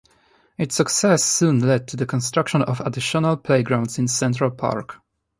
Its success soon led to the construction of additional playgrounds in Central Park.